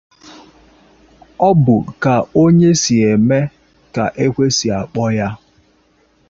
Ọ bụ ka onye si eme ka ekwe si akpọ ya